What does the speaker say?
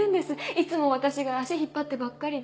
いつも私が足引っ張ってばっかりで。